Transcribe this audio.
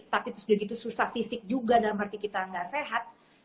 tapi terus jadi itu susah fisik juga dalam arti kita gak sehat